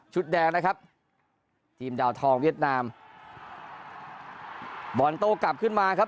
แดงนะครับทีมดาวทองเวียดนามบอลโต้กลับขึ้นมาครับ